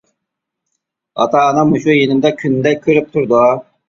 ئاتا-ئانام مۇشۇ يېنىمدا كۈندە كۆرۈپ تۇرىدۇ.